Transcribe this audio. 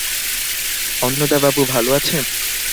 অন্নদাবাবু ভালো আছেন?